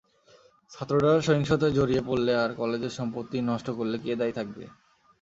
ছাত্ররা সহিংসতায় জড়িয়ে পরলে আর কলেজের সম্পত্তি নষ্ট করলে কে দায়ী থাকবে?